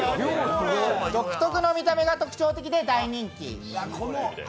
独特の見た目が特徴的で大人気。